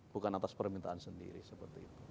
bukan atas permintaan sendiri seperti itu